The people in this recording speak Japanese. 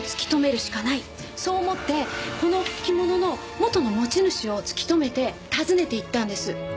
そう思ってこの着物の元の持ち主を突き止めて訪ねていったんです。